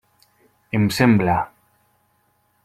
Em sembla.